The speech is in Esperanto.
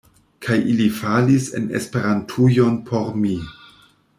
Kaj ili falis en Esperantujon por mi.